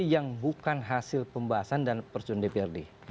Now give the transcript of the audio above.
yang bukan hasil pembahasan dan percundi prd